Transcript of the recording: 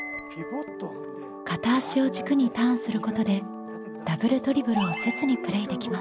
片足を軸にターンすることでダブルドリブルをせずにプレイできます。